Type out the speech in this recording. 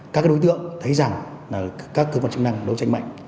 các đối tượng thấy rằng các cơ quan chức năng đấu tranh mạnh